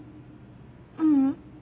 ううん。